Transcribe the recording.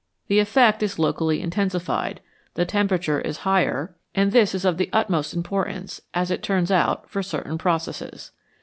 The effect is locally intensified, the temperature is higher, and this 197 HIGH TEMPERATURES is of the utmost importance, as it turns out, for certain processes.